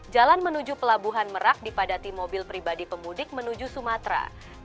jalan menuju pelabuhan merak dipadati mobil pribadi pemudik menuju sumatera